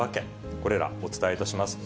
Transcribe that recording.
これらお伝えいたします。